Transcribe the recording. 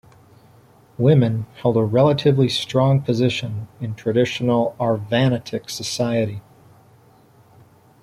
Women held a relatively strong position in traditional Arvanitic society.